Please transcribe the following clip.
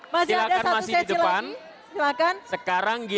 masih ada satu sesi lagi